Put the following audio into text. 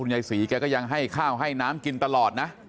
ยายศรีแกก็ยังให้ข้าวให้น้ำกินตลอดนะ